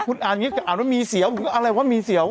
คุณอ่านว่ามีเสี่ยวคุณก็อะไรวะมีเสี่ยว